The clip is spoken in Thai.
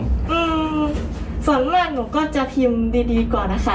อืมส่วนมากหนูก็จะพิมพ์ดีดีก่อนนะคะ